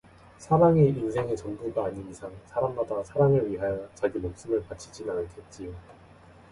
사랑이 인생의 전부가 아닌 이상 사람마다 사랑을 위하여 자기 목숨을 바치지는 않겠지요.